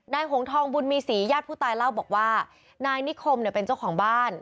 หงทองบุญมีศรีญาติผู้ตายเล่าบอกว่านายนิคมเนี่ยเป็นเจ้าของบ้าน